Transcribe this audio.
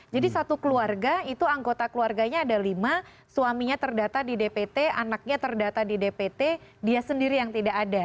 jadi satu keluarga itu anggota keluarganya ada lima suaminya terdata di dpt anaknya terdata di dpt dia sendiri yang tidak ada